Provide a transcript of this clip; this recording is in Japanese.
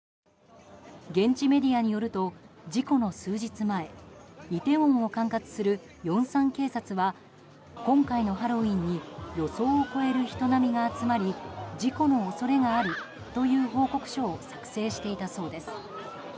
現地メディアによると事故の数日前イテウォンを管轄するヨンサン警察は今回のハロウィーンに予想を超える人波が集まり事故の恐れがあるという報告書を作成していたそうです。